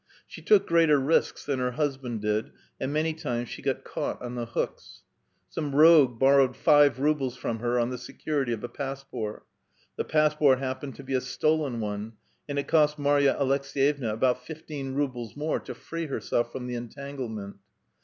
She took greater risks than her husband did, and many times she got caught on the hooks. Some rogue bor rowed five rubles from her on the security of a passport; the passport happened to be a stolen one, and it cost Marya Aleks^yevna about fifteen rubles more to free herself from the entanglement.